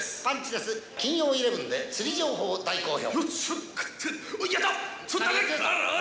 金曜イレブンで釣り情報大好評。